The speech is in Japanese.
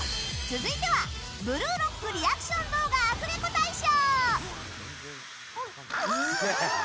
続いては、「ブルーロック」リアクション動画アフレコ大賞！